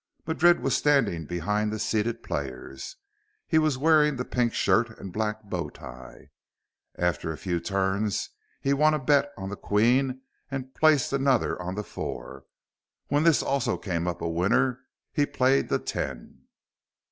Madrid was standing behind the seated players. He was wearing the pink shirt and a black bow tie. After a few turns, he won a bet on the queen and placed another on the four. When this also came up a winner, he played the ten.